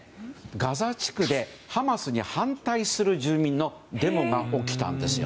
ガザ地区でハマスに反対する住民のデモが起きたんですよ。